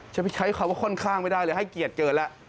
ใช้คำว่าค่อนข้างไม่ได้เลยให้เกียรติเกินแล้ว